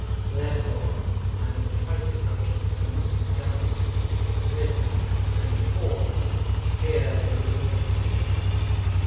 Therefore, I will fight it out to the last gasp, with her and for her, here, in the open field.